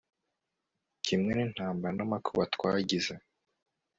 kimwe n'intambara n'amakuba twagize